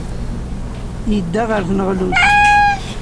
Yedda ɣer tneɣlust.